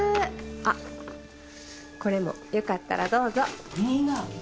あっこれもよかったらどうぞいいが？